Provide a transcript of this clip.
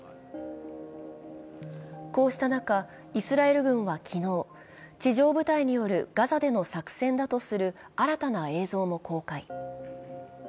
こうした中、イスラエル軍は昨日地上部隊によるガザでの作戦だとする新たな映像も公開。